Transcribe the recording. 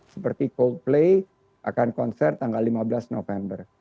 seperti coldplay akan konser tanggal lima belas november